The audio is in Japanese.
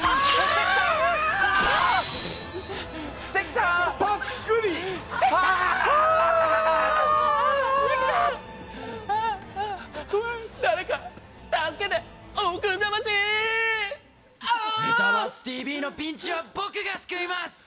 「メタバースＴＶ！！」のピンチは僕が救います！